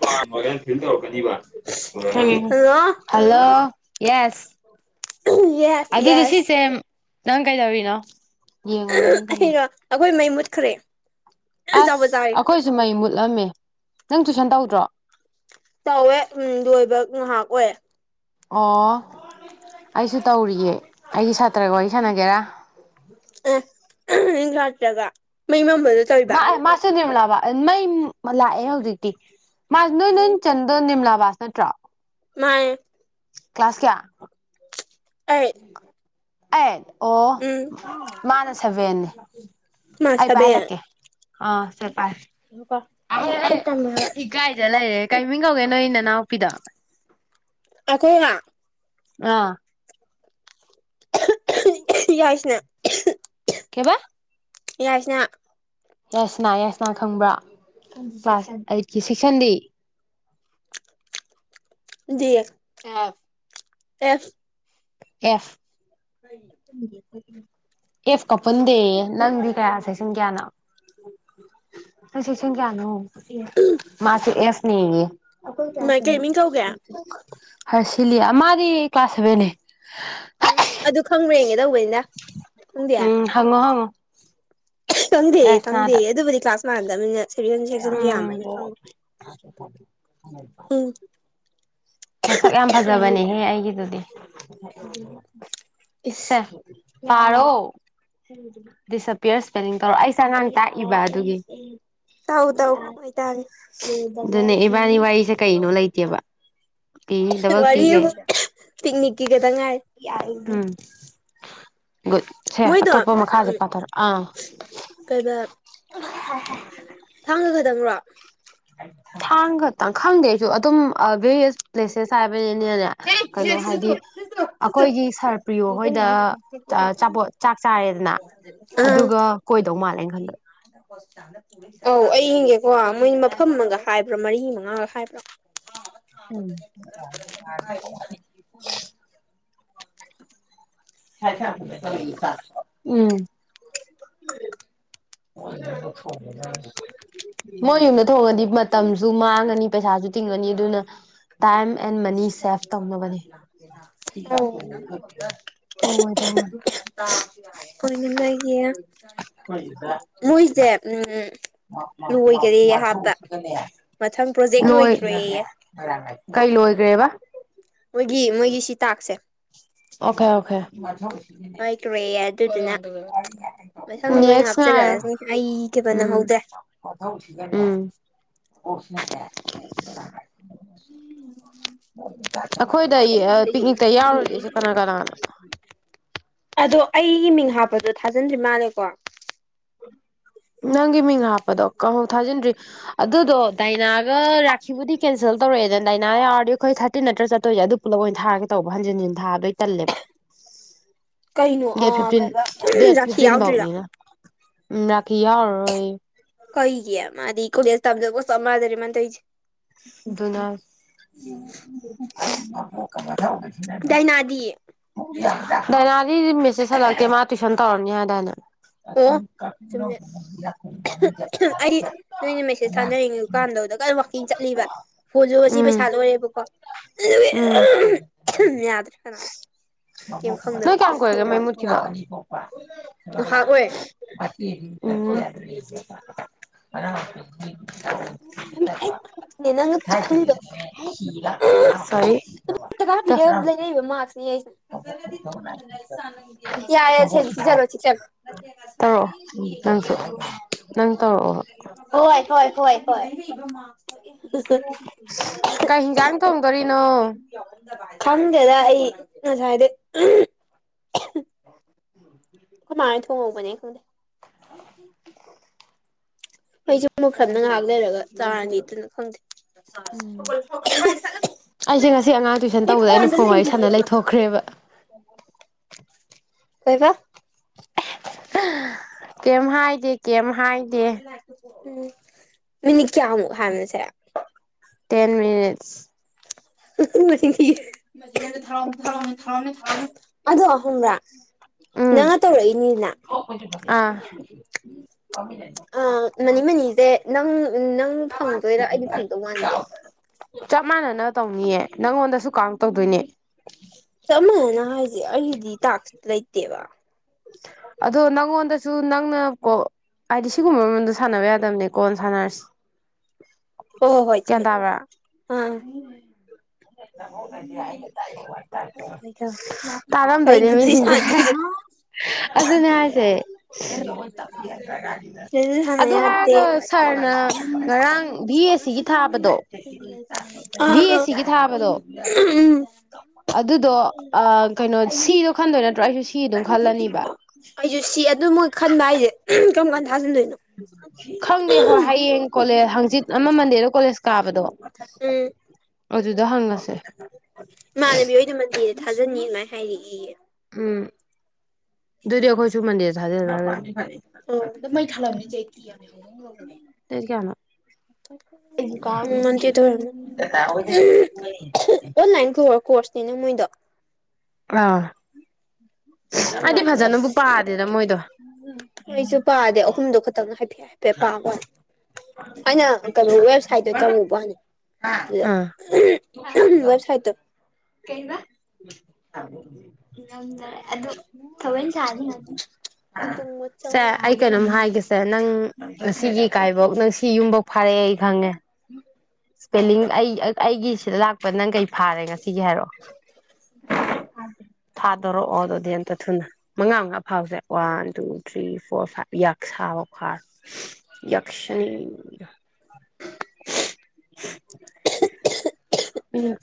ꯄꯥ ꯐꯤꯜ ꯇꯧꯔꯛꯀꯅꯤꯕ ꯍꯜꯂꯣ ꯍꯜꯂꯣ ꯌꯦꯁ ꯌꯦꯁ ꯑꯗꯨꯗ ꯌꯦꯁ ꯁꯤꯁꯦ ꯅꯪ ꯀꯩꯗꯦꯔꯤꯅꯣ? ꯑꯩꯔꯣ ꯑꯩꯈꯣꯏ ꯃꯩ ꯃꯨꯠꯈ꯭ꯔꯦ ꯆꯥꯛꯄ ꯆꯥꯔꯤ ꯑꯁ ꯑꯩꯈꯣꯏꯁꯨ ꯃꯩ ꯃꯨꯠꯂꯝꯃꯦ ꯅꯪ ꯇꯨꯏꯁꯟ ꯇꯧꯗ꯭ꯔꯣ? ꯇꯧꯋꯦ ꯂꯣꯏꯕ ꯉꯥꯏꯍꯥꯛ ꯑꯣꯏ ꯑꯣ ꯑꯩꯁꯨ ꯇꯧꯔꯤꯌꯦ ꯑꯩꯒꯤ ꯁꯥꯇ꯭ꯔꯒ ꯋꯥꯔꯤ ꯁꯥꯟꯅꯒꯦꯔꯥ ꯑꯥ ꯃꯩ ꯂꯛꯇꯕ ꯃꯩ ꯃꯥꯝ ꯃꯥ ꯃꯥꯁ ꯅꯤꯃꯂꯥꯕꯥꯁ ꯃꯩ ꯂꯥꯛꯑꯦ ꯍꯧꯖꯤꯛꯇꯤ ꯃꯥ ꯅꯣꯏ ꯅꯣꯏ ꯎꯝ ꯆꯟ ꯑꯣ ꯅꯤꯝꯂꯥꯕꯥꯁ ꯅꯠꯇ꯭ꯔꯣ ꯃꯅꯦ ꯀ꯭ꯂꯥꯁ ꯀꯌꯥ ꯑꯩ ꯑꯩꯠ ꯑꯣ ꯎꯝ ꯃꯥꯅ ꯁꯚꯦꯟꯅꯤ ꯃꯥ ꯑꯩ ꯄꯥꯏꯍꯜꯂꯛꯀꯦ ꯑꯥ ꯁꯦ ꯄꯥꯏꯑꯣ ꯑꯂꯨꯀ [unintelligible] ꯏꯒꯥꯏꯖ ꯂꯩꯔꯦ ꯀꯥꯏꯃꯤꯡ ꯀꯧꯒꯦ ꯅꯣꯏ ꯅꯅꯥꯎꯄꯤꯗꯣ ꯑ ꯀꯣ [unintelligible] ꯑꯥ ꯌꯥꯏꯁꯅꯥ ꯀꯩꯕꯥ ꯌꯥꯏꯁꯅ ꯌꯥꯏꯁꯅꯥ ꯌꯥꯏꯁꯅꯥ ꯈꯪꯕ꯭ꯔꯥ ꯀ꯭ꯂꯥꯁ ꯑꯩꯠꯀꯤ ꯁꯤꯛꯁꯟꯗꯤ ꯑꯦꯐ ꯑꯦꯐ ꯂꯩ [unintelligible] ꯑꯦꯐ ꯀ ꯄꯨꯟꯗꯦ ꯅꯪꯗꯤ ꯀꯌꯥ ꯁꯦꯛꯁꯟ ꯀꯌꯥꯅꯣ ꯐ ꯁꯁ ꯀꯌꯥꯅꯣ ꯃꯥꯁꯤ ꯑꯦꯐꯅꯤꯌꯦ ꯑꯩꯈꯣꯏ ꯃꯥꯏ ꯀꯂ꯭ꯥꯁꯅꯦ ꯀꯩ ꯃ ꯃꯤꯡ ꯀꯧꯒꯦ ꯍꯔꯁꯤꯂꯤ ꯑꯃꯗꯤ ꯀ꯭ꯂꯥꯁ ꯁꯚꯦꯟꯅ‌ꯦ ꯎꯝ ꯑꯗꯨ ꯈꯪꯕ꯭ꯔꯦꯒꯦ ꯇꯧꯕꯅꯤꯗ ꯈꯪꯗꯦ ꯍꯪꯉ ꯍꯪꯉꯣ ꯈꯪꯗꯦꯑ ꯌꯥꯏꯁꯅꯥꯗ ꯈꯪꯗꯦꯑ ꯑꯗꯨꯕꯨꯗꯤ ꯀ꯭ꯂꯥꯁ ꯃꯥꯟꯗꯕꯅꯤꯅ ꯎꯝ ꯎꯝ ꯃꯁꯛ ꯌꯥꯝ ꯐꯖꯕꯅꯦꯍꯦ ꯑꯩꯒꯤꯗꯨꯗꯤ ꯁꯦ ꯏꯁ ꯄꯥꯔꯣ ꯗꯤꯁꯑꯄꯤꯌꯔ ꯏꯁꯄꯦꯂꯤꯡ ꯇꯧꯔꯣ ꯑꯩꯁꯦ ꯑꯉꯥꯡ ꯇꯥꯛꯏꯕ ꯑꯗꯨꯒꯤ ꯇꯥꯛꯎ ꯇꯥꯛꯎ ꯑꯩ ꯇꯥꯒꯦ ꯑꯗꯨꯅꯦ ꯏꯕꯥꯅꯤ ꯋꯥꯔꯤꯁꯦ ꯀꯩꯅꯣ ꯂꯩꯇꯦꯕ ꯄꯤ ꯗꯕꯜ ꯋꯥꯔꯤ ꯄꯤꯒꯩ ꯑꯃꯨꯛ ꯄꯤꯛꯅꯤꯛꯀꯤꯒꯇ ꯉꯥꯏ ꯎꯝ ꯁꯦ ꯑꯇꯣꯞꯄ ꯃꯈꯥꯁꯦ ꯄꯥꯊꯔꯛ ꯑꯥ ꯀꯩ ꯕ ꯊꯥꯡꯒ ꯈꯇꯪꯔꯣ ꯊꯥꯡ ꯈꯛꯇꯪ ꯈꯪꯗꯦ ꯑꯩꯁꯨ ꯑꯗꯨꯝ ꯕ ꯄ꯭ꯂꯦꯁꯦꯁ ꯍꯥꯏꯕꯅꯤꯅꯦꯅꯦ ꯀꯩꯅꯣ ꯍꯥꯏꯗꯤ ꯑꯩꯈꯣꯏꯒꯤ ꯁꯥꯔ ꯄ꯭ꯔꯤꯌꯣ ꯍꯣꯏꯗ ꯆꯄꯣꯠ ꯆꯥꯛ ꯆꯥꯔꯦꯗꯅ ꯑꯗꯨꯒ ꯀꯣꯏꯗꯧ ꯃꯥꯜꯂꯦ ꯑꯩ ꯈꯟꯕꯗ ꯍ ꯆ [unintelligible] ꯑꯧ ꯑꯩꯤꯡꯒꯦꯀꯣ ꯃꯣꯏ ꯃꯐꯝ ꯑꯃꯒ ꯍꯥꯏꯕ꯭ꯔꯥ ꯃꯔꯤ ꯃꯉꯥꯒ ꯍꯥꯏꯕ꯭ꯔꯥ ꯎꯝ [unintelligible] ꯎꯝ ꯃꯣꯏ ꯌꯨꯝꯗ ꯊꯣꯡꯉꯗꯤ ꯃꯇꯝꯁꯨ ꯃꯥꯡꯉꯅꯤ ꯄꯩꯁꯥꯁꯨ ꯇꯤꯡꯉꯅꯤ ꯑꯗꯨꯅ ꯇꯥꯏꯝ ꯑꯦꯟ ꯃꯅꯤ ꯁꯦꯚ ꯇꯧꯅꯕꯅꯦ ꯇꯧꯉꯣꯏꯗꯧ [unintelligible] [unintelligible] ꯃꯣꯏꯁꯦ ꯎꯝ ꯂꯣꯏꯈꯔꯦꯌꯦ ꯍꯥꯞꯄ ꯃꯊꯧꯁꯤꯒꯅꯦ ꯃꯊꯪ ꯄ꯭ꯔꯣꯖꯦꯛ ꯂꯣꯏꯈꯅꯅꯦ ꯂꯣꯏꯈ꯭ꯔꯦꯌꯦ [unintelligible] ꯀꯩ ꯂꯣꯏꯒꯔꯦꯕ ꯃꯣꯏꯒꯤ ꯃꯣꯏꯒꯤ ꯁꯤꯇꯥꯛꯁꯦ ꯑꯣꯀꯦ ꯑꯣꯀꯦ ꯇ꯭ꯔꯦ ꯑꯗꯨꯗꯨꯅ ꯃꯊꯪꯗꯣ ꯑꯣꯏꯅ ꯅꯦꯛꯁ ꯉꯥꯏꯔꯣ ꯍꯥꯞꯆꯔꯛꯑꯁꯤꯅꯦ ꯑꯩ ꯊꯦꯕ ꯅꯪꯍꯧꯗ꯭ꯔꯦ ꯎꯝ ꯎꯝ [unintelligible] ꯑꯩꯈꯣꯏꯗ ꯄꯤꯛꯅꯤꯛꯇ ꯌꯥꯎꯔꯣꯢꯗꯣꯏꯁꯦ ꯀꯅꯥ ꯀꯅꯥꯅꯣ ꯑꯗꯣ ꯑꯩꯒꯤ ꯃꯤꯡ ꯍꯥꯞꯄꯗꯣ ꯊꯥꯖꯤꯟꯗ꯭ꯔꯤ ꯃꯥꯜꯂꯦꯀꯣ ꯅꯪꯒꯤ ꯃꯤꯡ ꯍꯥꯞꯄꯗꯣ ꯀꯍꯧ ꯊꯥꯖꯤꯟꯗ꯭ꯔꯤ ꯑꯗꯨꯗꯣ ꯗꯥꯏꯅꯥꯒ ꯁꯤꯕꯨꯗꯤ ꯀꯦꯟꯁꯦꯜ ꯇꯧꯔꯛꯑꯦꯅ ꯂꯗꯥꯅꯥ ꯌꯥꯎꯔꯗꯤ ꯑꯩꯈꯣꯏ ꯊꯥꯔꯇꯤꯟ ꯅꯠꯇ꯭ꯔ ꯆꯠꯇꯣꯏꯁꯦ ꯑꯗꯨ ꯄꯨꯂꯞ ꯑꯣꯏꯅ ꯊꯥꯒꯦ ꯇꯧꯕ ꯍꯥꯟꯖꯤꯟ ꯍꯥꯟꯖꯤꯟ ꯊꯥꯕꯗꯣ ꯑꯩ ꯇꯥꯜꯂꯦꯕ ꯀꯩꯅꯣ ꯗꯦꯠ ꯑ ꯐꯤꯞꯇꯤꯟ ꯀꯩꯕ ꯗꯦꯠ ꯔꯥꯈꯤ ꯐꯤꯞꯇꯤꯟ ꯌꯥꯎꯗ꯭ꯔꯤꯔꯥ ꯐꯥꯎꯅꯤꯅ ꯔꯈꯤ ꯌꯥꯎꯔꯔꯣꯏꯌꯦ ꯀꯩꯒꯤ ꯃꯥꯗꯤ ꯀꯣꯂꯦꯁ ꯇꯥꯝꯗꯕꯒ ꯆꯥꯞ ꯃꯥꯟꯅꯔꯦ ꯃꯥꯅ ꯇꯧꯔꯤꯁꯦ ꯑꯗꯨꯅ ꯌꯥꯗꯤꯌꯦ [inaudible] ꯗꯥꯏꯅꯗꯤ ꯃꯦꯁꯦꯖ ꯍꯜꯂꯛꯇ‌ꯦ ꯃꯥ ꯇ꯭ꯌꯨꯁꯟ ꯇꯧꯔꯝꯅꯤ ꯍꯥꯏꯗꯥꯏꯅ‌ꯦ ꯑꯣ ꯀ ꯆꯨꯝꯃꯦ ꯑꯩ [inaudible] ꯦꯤꯡ ꯆꯠꯂꯤꯕ ꯐꯣꯟꯁꯨ ꯉꯁꯤ ꯄꯩꯁꯥ ꯂꯣꯏꯔꯦꯕꯀꯣ ꯎꯝ ꯎ ꯌꯥꯗ꯭ꯔ‌ꯦ ꯈꯅꯥꯎ [inaudible] ꯅꯣꯢ ꯀꯌꯥꯝ ꯀꯨꯢꯔꯒꯦ ꯃꯨꯠꯈꯤꯕ ꯉꯍꯥꯛ ꯑꯣꯏꯔꯦ ꯅꯪꯅ ꯆꯤꯛꯍꯜꯂꯤꯗꯣ ꯎꯝ ꯁꯥꯏ [inaudible] ꯖꯒꯥꯕꯤ [inaudible] ꯗ ꯂꯩꯔꯛꯏꯕ ꯃꯥꯥꯛꯁꯅꯦ ꯑꯩꯁꯦ ꯌꯥꯔ‌ꯦꯁ‌ꯦ ꯇꯧꯔꯛꯑꯣ [inaudible] ꯅꯪꯁꯨ ꯅꯪ ꯇꯧꯔꯛꯑꯣ ꯍꯣꯏ ꯍꯣꯏ ꯍꯣꯏ ꯍꯣꯏ ꯀꯩ ꯍꯤꯡꯖꯥꯡ ꯊꫭꯡꯗꯣꯔꯤꯅꯣ ꯈꯪꯗꯦꯗ ꯑꯩ ꯉꯁꯥꯏꯗꯩ [unintelligible] ꯑꯩꯈꯣꯏꯃꯥꯅ ꯊꯣꯡꯍꯧꯕꯅꯦ ꯈꯪꯗꯦ ꯃꯩꯁꯨ ꯃꯨꯠꯈ꯭ꯔꯕꯅꯤꯅ ꯉꯥꯏꯍꯥꯛ ꯂꯩꯔꯒ ꯆꯥꯔꯅꯤ ꯑꯗꯨꯅ ꯈꯪꯗꯦ ꯎꯝ ꯑꯩꯁꯦ ꯉꯁꯤ ꯑꯉꯥꯡ ꯇꯨꯏꯁꯟ ꯃꯤ ꯇꯧꯕꯗ ꯑꯩꯅ ꯐꯣꯟꯗ ꯐꯣꯜ ꯋꯥꯔꯤ ꯂꯩꯔꯤꯌꯦ ꯁꯥꯟꯅ ꯃꯥꯗꯣ ꯂꯩꯊꯣꯛꯈ꯭ꯔꯦꯕ ꯀꯩꯕ ꯀꯦꯝ ꯍꯥꯏꯗ‌ꯦ ꯃꯤꯅꯤꯠ ꯀꯌꯥꯃꯨꯛ ꯍꯥꯏꯒꯦꯁꯦ ꯇꯦꯟ ꯃꯤꯅꯤꯠꯁ ꯃ ꯃ ꯊ ꯊ ꯊꯅꯦ ꯊ [inaudible] ꯑꯗꯣ ꯈꯪꯕ꯭ꯔꯥ ꯎꯝ ꯅꯪꯅ ꯇꯧꯔꯛꯏꯅꯤꯗꯅ ꯑꯥ ꯑ ꯃꯅꯤ ꯃꯅꯤꯁꯦ ꯅꯪ ꯅꯪ ꯐꯪꯗꯣꯏꯔ ꯑꯩꯗꯤ ꯐꯪꯗꯧ ꯃꯥꯟꯗꯦ ꯆꯞ ꯃꯥꯟꯅꯅ ꯇꯧꯅꯤꯌꯦ ꯅꯪꯉꯣꯟꯗꯁꯨ ꯀꯥꯡ ꯇꯧꯗꯣꯏꯅꯦ [unintelligible] ꯆꯞ ꯃꯅꯅ ꯍꯥꯏꯁꯦ ꯑꯩꯒꯤꯗꯤ ꯇꯥꯛꯁ ꯂꯩꯇꯦꯕ ꯑꯗꯣ ꯅꯪꯉꯣꯟꯗꯁꯨ ꯅꯪꯅ ꯀꯣꯜ ꯍꯥꯏꯗꯤ ꯁꯤꯒꯨꯝꯕ ꯃꯔꯝꯗ ꯁꯥꯟꯅꯕ ꯌꯥꯗꯕꯅꯦ ꯀꯣꯟ ꯁꯥꯟꯅꯔꯁꯤ ꯍꯣꯢ ꯍꯣꯏ ꯒ꯭ꯌꯥꯟ ꯆꯨꯝꯃꯦ ꯇꯥꯕ꯭ꯔꯥ ꯑꯥ ꯀꯥꯎꯋꯤ ꯀꯥꯎꯋꯤ [inaudible] ꯇꯥꯔꯝꯗꯣꯏꯅꯦ ꯀꯩꯅꯣ ꯑꯗꯨꯗꯤ ꯃꯤꯁꯤꯡꯁꯦ ꯁꯥꯟꯅꯗꯣꯏꯁꯦ ꯑꯗꯨꯅꯦ ꯍꯥꯏꯁꯦ ꯁꯤꯗꯁꯨ ꯁꯥꯟꯅ ꯑꯗꯨ ꯌꯥꯗꯦ ꯍꯥꯏꯔꯒ ꯁꯥꯔꯅ ꯉꯔꯥꯡ ꯚꯤ ꯑꯦꯁ ꯁꯤꯒꯤ ꯊꯥꯕꯗꯣ ꯚꯤ ꯑꯦꯁ ꯑꯥ ꯁꯤꯒꯤ ꯊꯥꯕꯗꯣ ꯎꯝ ꯑꯗꯨꯗꯣ ꯀꯩꯅꯣ ꯁꯤꯗꯣ ꯈꯟꯗꯣꯏ ꯅꯠꯇ꯭ꯔꯣ ꯑꯩꯗꯤ ꯁꯤ ꯑꯗꯨꯝ ꯈꯜꯂꯅꯤꯕ ꯑꯩꯁꯨ ꯁꯤ ꯑꯗꯨ ꯃꯣꯏ ꯈꯟꯕ ꯍꯥꯏꯁꯦ ꯀꯔꯝ ꯀꯥꯟꯗ ꯊꯥꯖꯤꯟꯗꯣꯏꯅꯣ ꯈꯪꯗꯦ ꯍꯣꯏ ꯍꯌꯦꯡ ꯀꯣꯂꯦꯖ ꯍꯪꯆꯤꯠ ꯑꯃ ꯃꯟꯗꯦꯗ ꯀꯣꯂꯦꯖ ꯀꯥꯕꯗꯣ ꯎꯝ ꯑꯗꯨꯗ ꯍꯪꯉꯁꯦ ꯏꯃꯥꯟꯅꯕꯤ ꯍꯗꯨ ꯃꯟꯗꯦꯗ ꯊꯥꯖꯟꯅꯤ ꯑꯗꯨꯃꯥꯏꯅ ꯍꯥꯏꯔꯛꯏꯌꯦ ꯎꯝ ꯑꯗꯨꯗꯤ ꯑꯩꯈꯣꯏꯁꯨ ꯃꯟꯗꯤꯔ ꯊꯥꯖꯤꯜꯅ ꯑꯣ ꯃꯩ ꯊꯥꯂꯝꯕꯅꯤꯆꯦ ꯑꯩ ꯀꯤ ꯌꯥꯝ ꯍꯧꯗꯣꯡꯅ ꯉꯒꯅꯦ ꯗꯦꯠ ꯀꯌꯥꯅꯣ ꯎꯝ ꯃ ꯀꯗ ꯑꯣꯟꯂꯥꯏꯟ ꯀꯣꯔꯁꯅꯤꯅ ꯃꯣꯏꯗꯣ ꯑꯥ ꯑꯩꯗꯤ ꯐꯖꯅꯕꯨꯛ ꯄꯥꯗꯦꯗ ꯃꯣꯏꯗꯣ ꯎꯝ ꯃꯣꯏꯁꯨ ꯄꯥꯗꯦ ꯑꯍꯨꯝꯗꯣ ꯈꯛꯇꯪ ꯍꯥꯏꯐꯦꯠ ꯍꯥꯏꯐꯦꯠ ꯄꯥꯒꯣ ꯑꯩꯅ ꯀꯩꯅꯣ ꯋꯦꯕꯁꯥꯏꯠꯇꯣ ꯆꯪꯉꯨꯕ ꯍꯅꯦ ꯑꯗꯨꯗ ꯑꯥ ꯋꯦꯕꯁꯥꯏꯠ ꯇꯣ ꯀꯩ ꯅꯗ ꯑꯗꯨ ꯊꯧꯋꯣꯏꯁꯥꯅꯤ ꯍꯧꯗꯣꯡ ꯃꯆꯥ ꯀꯩꯅꯣꯝ ꯍꯥꯏꯒꯁꯦ ꯅꯪ ꯁꯤꯒꯤ ꯏ ꯀꯥꯏꯕꯧ ꯅꯪ ꯁꯤ ꯌꯨꯝꯐꯧ ꯐꯥꯔꯛꯑꯦ ꯑꯩ ꯈꯪꯉꯦ ꯎꯝ ꯏꯁꯄꯦꯂꯤꯡ ꯑꯩ ꯑꯩꯒꯤꯁꯤꯗ ꯂꯥꯛꯄ ꯐ ꯅꯪ ꯀꯩ ꯐꯥꯔꯦ ꯉꯁꯤꯒꯤ ꯍꯥꯏꯔꯛꯑꯣ ꯊꯥꯗꯣꯔꯛꯑꯣ ꯑꯗꯨꯗꯤ ꯑꯝꯇ ꯊꯨꯅ ꯃꯉꯥ ꯃꯉꯥ ꯐꯥꯎꯁꯦ one two three four five ꯌꯥꯛ ꯁꯥꯕ ꯐꯥꯔ ꯌꯛꯁꯅꯤ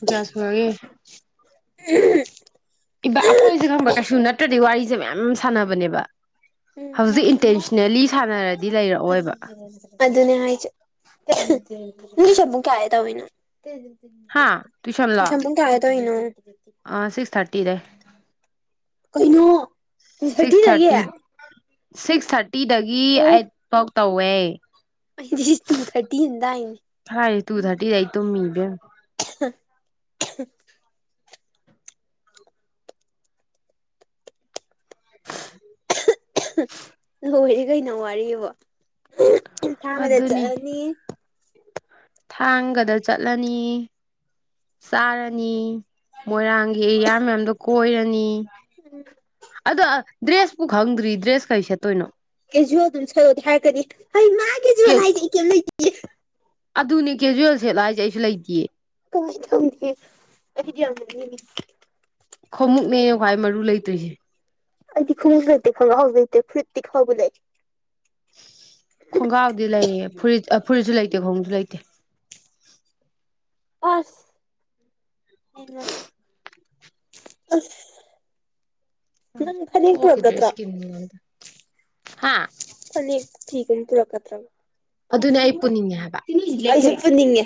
ꯒꯁꯨꯔꯒꯦ ꯎ ꯏꯕꯥ ꯑꯩꯈꯣꯏꯁꯦ ꯈꯪꯕ ꯀꯩꯁꯨ ꯅꯠꯇ꯭ꯔꯗꯤ ꯋꯥꯔꯤꯁꯦ ꯃꯌꯥꯝ ꯁꯥꯟꯅꯕꯅꯦꯕ ꯎꯝ ꯍꯧꯖꯤꯛ ꯏꯟꯇꯦꯟꯁꯅꯦꯜꯂꯤ ꯁꯥꯟꯅꯔꯗꯤ ꯂꯩꯔꯛꯑꯣꯏꯕ ꯑꯗꯨ ꯑꯗꯨꯅ ꯍꯥꯏ ꯆꯕꯨ ꯀꯦꯑ ꯇꯕꯅ ꯍꯥ ꯇꯨꯏꯁꯟꯂꯣ ꯇꯨꯁꯟ ꯄꯨꯡ ꯀꯌꯥ ꯇꯧꯏꯅꯣ ꯁꯤꯛꯁ ꯊꯥꯔꯇꯤꯗꯦ ꯀꯩꯅꯣ ꯇꯨ ꯁꯤꯛꯁ ꯊꯔꯇꯤꯗꯒꯤ ꯊꯥꯔꯇꯤ ꯁꯤꯛꯁ ꯊꯥꯔꯇꯤꯗꯒꯤ ꯑꯩꯠ ꯐꯧ ꯇꯧꯋꯦ ꯑꯩ ꯇꯨ ꯊꯔꯇꯤ ꯍꯅꯤ ꯐꯥꯏ ꯇꯨ ꯊꯥꯔꯇꯤꯗꯥꯏ ꯇꯣ ꯃꯤꯕ [unintelligible] ꯅꯔꯤ ꯀꯩꯅꯣ ꯋꯥꯔꯤꯕ ꯏ ꯊꯥꯡꯒꯗ ꯑꯗꯨꯅꯤ ꯆꯠꯂꯅꯤ ꯊꯥꯡꯒꯗ ꯆꯠꯂꯅꯤ ꯆꯥꯔꯅꯤ ꯃꯣꯏꯔꯥꯡꯒꯤ ꯑꯦꯔꯤꯌꯥ ꯃꯌꯥꯝꯗꯣ ꯀꯣꯏꯔꯅꯤ ꯑꯗꯣ ꯗ꯭ꯔꯦꯁꯄꯨ ꯈꯪꯗ꯭ꯔꯤ ꯗ꯭ꯔꯦꯁ ꯀꯩ ꯁꯦꯠꯇꯣꯏꯅꯣ ꯀꯦꯖꯨꯋꯦꯜ ꯑꯗꯨꯝ ꯁꯠꯂꯣꯗꯤ ꯍꯥꯏꯔꯒꯗꯤ ꯍ ꯃꯥ ꯀꯦꯖ ꯍꯥꯏꯗꯤꯌꯦ ꯀꯩꯝ ꯂꯩꯇꯦ ꯑꯗꯨꯅꯦ ꯀꯦꯖꯨꯋꯦꯜ ꯁꯦꯠꯂ ꯍꯥꯏꯁꯦ ꯑꯩꯁꯨ ꯂꯩꯇꯤꯌꯦ ꯀꯃ ꯆꯗ ꯑꯁ ꯌꯥꯅꯤꯡꯅꯤ ꯈꯣꯡꯃꯨꯛꯅꯦ ꯋꯥꯏ ꯃꯔꯨ ꯂꯩꯇꯣꯏꯁꯦ ꯑꯩꯗꯤ ꯈꯣꯡꯎꯁꯨ ꯂꯩꯇꯦ ꯈꯪꯉꯥꯎꯁꯨ ꯂꯩꯇꯦ ꯐꯨꯔꯤꯠꯇꯤ ꯈꯥꯎꯕꯗꯤ ꯂꯩ ꯈꯣꯡꯒ꯭ꯔꯥꯎꯗꯤ ꯂꯩꯌꯦ ꯐꯨꯔꯤꯠ ꯐꯨꯔꯤꯠꯁꯨ ꯂꯩꯇꯦ ꯈꯣꯡꯎꯞꯁꯨ ꯂꯩꯇꯦ ꯑꯁ ꯍꯥꯏꯅ ꯑ ꯍꯈꯤꯗ꯭ꯔꯦ ꯄꯨꯔꯛꯀꯗ꯭ꯔꯣ ꯏꯁꯀꯤꯗ ꯍꯥ ꯊꯅꯤ ꯐꯅꯤ ꯇꯔꯀ ꯇꯔ ꯑꯗꯨꯅꯦ ꯁꯨ ꯑꯩ ꯄꯨꯅꯤꯡꯉꯦ ꯍꯥꯏꯕ ꯐꯟꯅꯤꯡꯉꯦ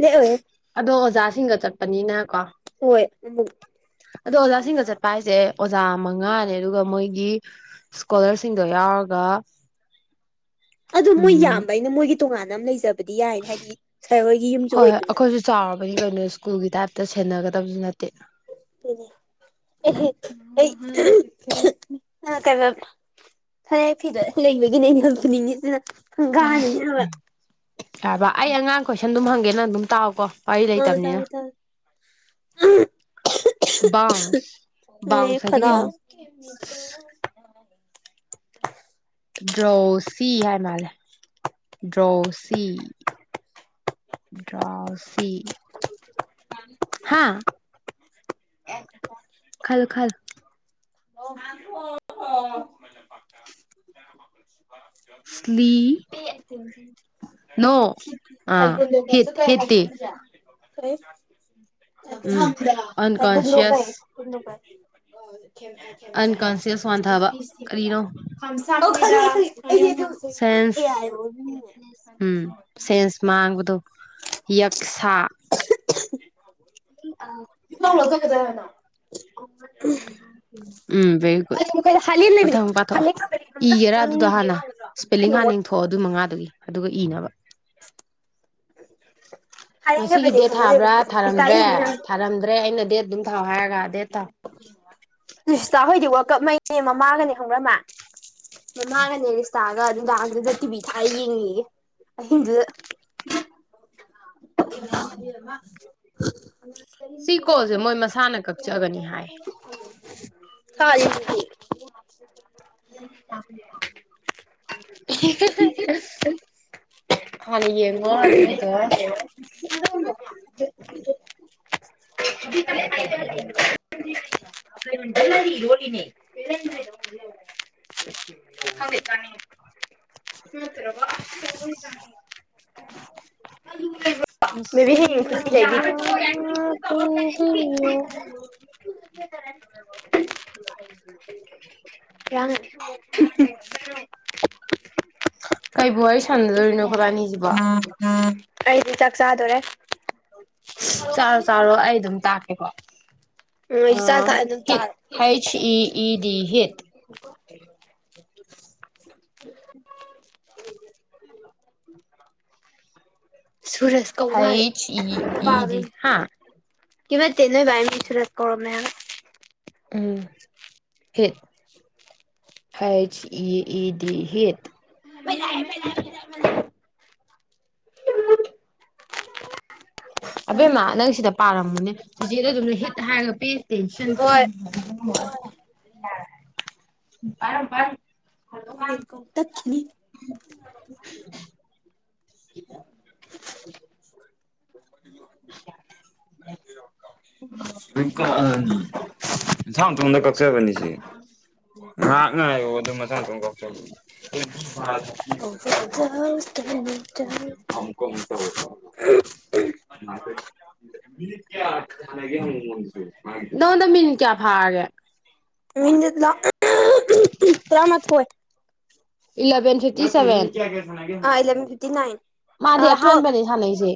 ꯂꯩꯑꯣꯌꯦ ꯑꯗꯣ ꯑꯣꯖꯥꯁꯤꯡꯒ ꯆꯠꯄꯅꯤꯅ ꯀꯣ ꯍꯣꯏ ꯑꯗꯣ ꯑꯣꯖꯥꯁꯤꯡꯒ ꯆꯠꯄ ꯍꯥꯏꯁꯦ ꯑꯣꯖꯥ ꯃꯉꯥꯅꯦ ꯑꯗꯨꯒ ꯃꯣꯏꯒꯤ ꯏꯁꯀꯣꯂꯔꯁꯤꯡꯗꯣ ꯌꯥꯎꯔꯒ ꯑꯗꯨ ꯃꯣꯏ ꯎꯝ ꯌꯥꯝꯕ ꯑꯩꯅ ꯃꯣꯏꯒꯤ ꯇꯣꯉꯥꯟꯅ ꯑꯃ ꯂꯩꯖꯕꯗꯤ ꯌꯥꯏꯅꯤ ꯍꯥꯏꯗꯤ ꯁꯥꯔ ꯍꯣꯏꯒꯤ ꯌꯨꯝꯁꯨ ꯍꯣꯏ ꯍꯣꯏ ꯑꯣꯏꯗꯅ ꯑꯩꯈꯣꯏꯁꯨ ꯆꯥꯎꯔꯕꯅꯤ ꯀꯩꯅꯣ ꯁ꯭ꯀꯨꯜꯒꯤ ꯇꯥꯏꯞꯇ ꯁꯦꯟꯅꯒꯗꯕꯁꯨ ꯅꯠꯇꯦ ꯀꯥꯏ ꯍꯥꯏꯕ ꯐꯔꯦ ꯐꯤꯗ ꯂꯩꯕꯒꯤꯅꯦ ꯑꯩꯅ ꯌꯥꯝ ꯄꯨꯨꯅꯤꯡꯉꯤꯁꯤꯅ ꯌꯥꯔ ꯎꯝ ꯌꯥꯔꯕ ꯑꯩ ꯑꯉꯥꯡ ꯀꯣꯏꯁꯟ ꯑꯗꯨꯝ ꯍꯪꯒꯦ ꯅꯪ ꯑꯗꯨꯝ ꯇꯥꯛꯑꯣꯀꯣ ꯋꯥꯔꯤ ꯑ ꯂꯩꯇꯕꯅꯤꯅ ꯇꯒꯦ ꯇꯒꯦ ꯕꯥꯡꯁ ꯑꯩ ꯕꯥꯡꯁ ꯁꯥꯏꯗꯤ ꯈꯅꯥꯎ ꯀꯩꯅꯣ ꯗ꯭ꯔꯣꯁꯤ ꯍꯥꯏ ꯃꯥꯜꯂꯦ ꯗ꯭ꯔꯣꯁꯤ ꯗ꯭ꯔꯥꯎꯁꯤ ꯍꯥ ꯈꯜꯂꯨ ꯈꯜꯂꯨ [unintelligible] ꯂꯤ ꯅꯣ ꯑ ꯍꯤ ꯍꯤꯠꯇꯤ ꯎꯝ [unintelligible] ꯑꯟꯀꯣꯟꯁꯤꯌꯁ ꯑꯟꯀꯟꯁꯤꯌꯁ ꯋꯥꯟꯊꯕ ꯀꯔꯤꯅꯣ [unintelligible] ꯍꯪꯁꯥ ꯁꯦꯟꯁ ꯎꯝ ꯁꯦꯟꯁ ꯃꯥꯡꯕꯗꯣ [unintelligible] ꯌꯛꯁꯥ [unintelligible] ꯎꯝ ꯍꯥꯂꯦꯟ ꯂꯩꯕꯅꯦ ꯃꯊꯪ ꯄꯥꯊꯣꯛꯑꯣ ꯍꯥꯂꯦꯟ ꯈꯪꯒ ꯏꯒꯦꯔꯥ ꯑꯗꯨꯗꯣ ꯍꯥꯟꯅ ꯁ꯭ꯄꯦꯂꯤꯡ ꯍꯥꯟꯅ ꯏꯊꯣꯛ ꯍꯣ ꯑꯗꯨꯏ ꯃꯉꯥꯗꯨꯒꯤ ꯑꯗꯨꯒ ꯏꯅꯕ ꯉꯁꯤꯒꯤ ꯍꯥꯏꯅꯤꯡꯗꯕꯅꯤ ꯗꯦꯠ ꯈꯪꯅꯗꯦꯕ ꯊꯥꯕ꯭ꯔꯥ ꯊꯥꯔꯝ ꯔꯤꯁꯇꯥ ꯌꯦꯡꯅꯤ ꯅꯪ ꯊꯥꯔꯝꯗ꯭ꯔꯦ ꯑꯩꯅ ꯗꯦꯠ ꯑꯗꯨꯝ ꯊꯥꯎ ꯍꯥꯏꯔꯒ ꯗꯦ ꯑꯗꯨꯁꯤꯇꯥ ꯍꯣꯏꯗꯤ ꯋꯥꯀꯞ ꯃꯩ ꯑꯦ ꯃꯃꯥꯒꯅꯦ ꯈꯪꯕ꯭ꯔ ꯃ ꯃꯃꯥꯒꯅꯦ ꯔꯤꯁꯇꯥ ꯅꯨꯡꯗꯥꯡ ꯗꯨꯗꯥ ꯇꯤꯕꯤ ꯌꯦꯡꯉ ꯑꯍꯤꯡꯗꯨꯗ [unintelligible] ꯑꯅꯤ ꯍꯥꯏ ꯊꯔꯦ [unintelligible] ꯍꯟꯅ ꯌꯦꯡꯉꯣ ꯑꯗꯨ ꯑꯗꯨꯒꯤꯗꯣ [unintelligible] ꯂꯔꯤ ꯔꯣꯂꯤꯅꯦ ꯈꯡꯗꯦ ꯆꯥꯅꯤꯡꯉꯦ꯫ ꯊꯠꯇ꯭ꯔ ꯆ ꯂꯩꯕ ꯁꯨꯝ ꯄꯨꯕꯤꯌꯣ [unintelligible] ꯂꯥꯡꯒꯅꯦ ꯀꯩꯕꯨ ꯋꯥꯔꯤ ꯁꯥꯟꯅꯗꯣꯔꯤꯅꯣ ꯑꯩꯈꯣꯏꯕꯥꯅꯤꯁꯤꯕꯣ ꯑꯩꯗꯤ ꯆꯥꯛ ꯆꯥꯗꯣꯔꯦ ꯆꯥꯔꯣ ꯆꯥꯔꯣ ꯑꯩ ꯑꯗꯨꯝ ꯇꯥꯛꯀꯦꯀꯣ ꯎꯝ ꯑ ꯑꯩꯁꯨ ꯆꯥꯛ ꯆꯥ ꯑꯗꯨꯝ ꯍꯤꯠ ꯆꯥꯔꯦ ꯍꯩꯆ ꯏ ꯏꯗꯤ ꯍꯤꯠ [unintelligible] Suresh Kaumari H E E ꯗꯤ ꯍꯥ ꯀꯩꯝ ꯅꯠꯇꯦ ꯅꯣꯏ ꯃꯥꯅ ꯅꯨꯡꯁꯤꯅ ꯀꯧꯔꯝꯃꯦ ꯍꯥꯏꯕ ꯎꯝ ꯍꯤꯠ ꯍꯆ ꯏ ꯏꯗꯤ ꯍꯠ [unintelligible] ꯑꯕꯦꯝꯃ ꯅꯪ ꯁꯤꯗ ꯄꯥꯔꯝꯃꯨꯅꯦ ꯆꯤꯆꯦꯗꯣ ꯑꯗꯨꯝꯅ ꯍꯤꯠ ꯍꯥꯏꯔꯒ ꯄꯦ ꯇꯁꯟ ꯍꯣꯏ ꯔꯝꯕꯔ ꯂꯩꯠ ꯀꯣ ꯇꯠꯈꯤꯅꯤ [unintelligible] ꯑ ꯔꯣ ꯊꯥꯎ ꯇꯗ ꯀꯁꯥꯕꯅꯤꯁꯤ ꯉꯍꯥꯛ ꯉ ꯑꯗꯨ ꯃꯊꯊ ꯀꯥꯎ ꯆꯥꯎꯁ ꯐꯅꯤ ꯑꯃꯀ ꯑꯃꯛꯇꯀ ꯃꯥꯁ ꯅꯉꯣꯟꯗ ꯃꯤꯟ ꯀꯌꯥ ꯐꯥꯔꯒꯦ ꯃꯤꯦ ꯇ꯭ꯔꯥ ꯃꯊ ꯍꯏ eleven fifty seven ah eleven fifty nine ꯃꯥꯗꯤ ꯑꯥ ꯇꯨꯋꯦꯜꯞ ꯍꯍꯥꯟꯕꯅꯦ ꯁꯥꯟꯅꯩꯁꯦ